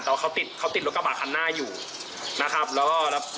แต่ว่าเขาติดรถกระบาดคันหน้าอยู่นะครับ